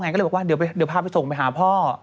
ก็เลยบอกว่าเดี๋ยวพาไปส่งไปหาพ่อ